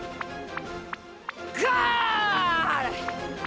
ゴール！